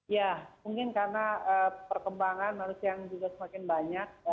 ya mungkin karena perkembangan manusia yang juga semakin banyak